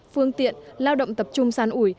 phương tiện lao động tập trung sàn ủi